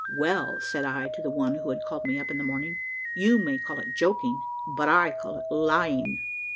"Well," said I to the one who had called me up in the morning, "you may call it joking, but I call it lying."